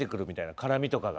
辛味とかが。